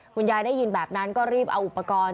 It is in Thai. คุณยายได้ยินแบบนั้นก็รีบเอาอุปกรณ์